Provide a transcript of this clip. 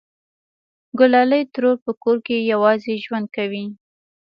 گلالۍ ترور په کور کې یوازې ژوند کوي